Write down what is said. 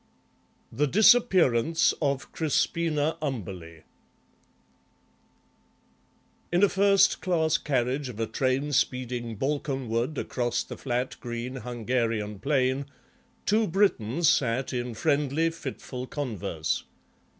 THE DISAPPEARANCE OF CRISPINA UMBERLEIGH In a first class carriage of a train speeding Balkanward across the flat, green Hungarian plain two Britons sat in friendly, fitful converse.